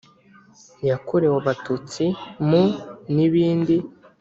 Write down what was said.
yakorewe Abatutsi mu n ibindi